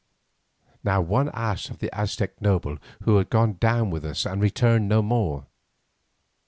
Now one asked of the Aztec noble who had gone down with us and returned no more.